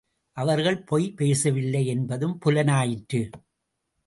அவர்கள் பொய் பேசவில்லை யென்பதும் புலனாயிற்று.